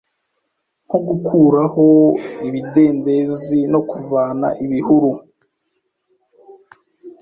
nko gukuraho ibidendezi no kuvana ibihuru